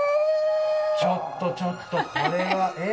ちょっとちょっとこれはえっ？